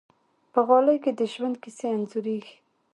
په غالۍ کې د ژوند کیسې انځورېږي.